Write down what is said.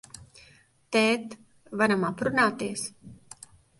Tēt, varam aprunāties?